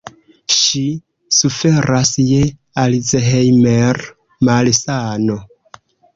Ŝi suferas je Alzheimer-malsano.